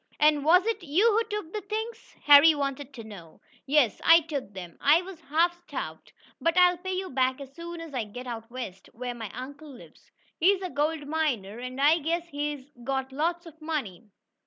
"And was it you who took the things?" Harry wanted to know. "Yes, I took them. I was half starved. But I'll pay you back as soon as I get out west, where my uncle lives. He's a gold miner, and I guess he's got lots of money.